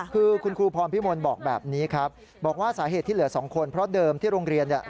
คือคุณครูพรพิมลบอกแบบนี้ครับบอกว่าสาเหตุที่เหลือสองคนเพราะเดิมที่โรงเรียนเนี่ย